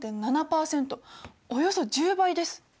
およそ１０倍です。